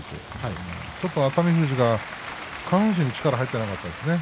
熱海富士が下半身に力が入っていなかったですね。